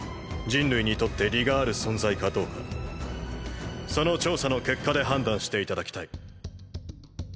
人類にとって利がある存在かどうかその調査の結果で判断して頂きたい。